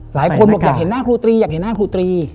หลายคนบอกอยากเห็นหน้าครูตรี